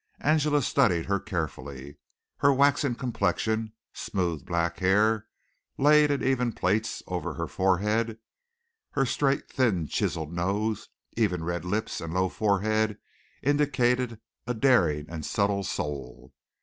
Angela studied her carefully. Her waxen complexion, smooth black hair laid in even plaits over her forehead, her straight, thin, chiseled nose, even red lips and low forehead indicated a daring and subtle soul.